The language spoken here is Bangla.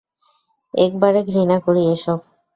একবারে ঘৃণা করি এসব।